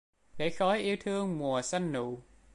Để khói yêu thương mùa xanh nụ